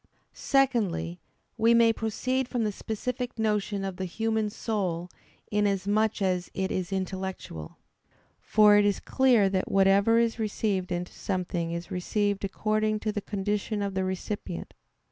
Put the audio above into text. Secondly, we may proceed from the specific notion of the human soul inasmuch as it is intellectual. For it is clear that whatever is received into something is received according to the condition of the recipient.